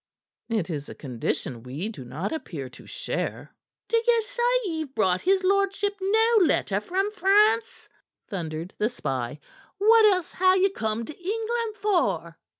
"It is a condition we do not appear to share." "D'ye say ye've brought his lordship no letter from France?" thundered the spy. "What else ha' ye come to England for?"